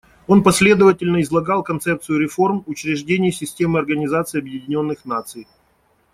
Он последовательно излагал концепцию реформ учреждений системы Организации Объединенных Наций.